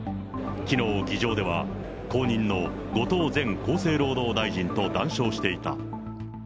きのう、議場では後任の後藤前厚生労働大臣と談笑していた。